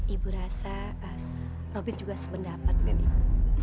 ibu rasa robin juga sependapat dengan ibu